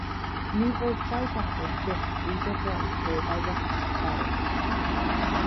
Ni fwytâi Dafydd byth bryd o fwyd heb ei rannu â Phero.